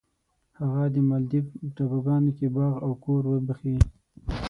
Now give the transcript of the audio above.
هغه د مالدیو په ټاپوګانو کې باغ او کور وبخښی.